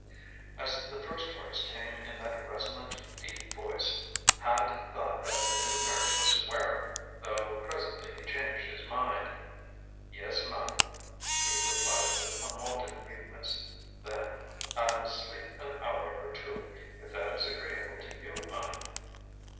As the first words came in that resonant deep voice, Hand thought that the new nurse was swearing, though presently he changed his mind. "Yes, ma'am," he replied with unwonted meekness. Then, "I'll sleep an hour or two, if that is agreeable to you, ma'am."